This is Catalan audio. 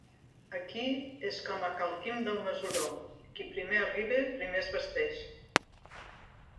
Aquí és com a cal Quim del Mesuró: qui primer arriba, primer es vesteix.